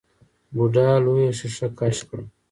بوډا لويه ښېښه کش کړه.